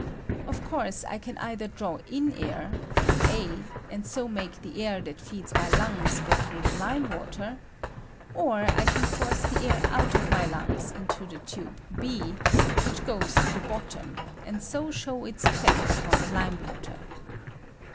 Of b w 172 ACTION OP BEEATH ON LIME WATER. course I can either draw in air (through a), and so make the air that feeds my lungs go through the hme water, or I can force the air out of my lungs through the tul^e (b), which goea to the bottom, and so show its effect upon the lime water.